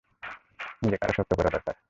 নিজেকে আরও শক্ত করা দরকার।